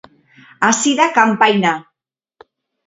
Hasi da kanpaina.